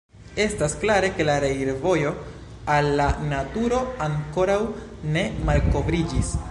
Estas klare ke la reirvojo al la naturo ankoraŭ ne malkovriĝis.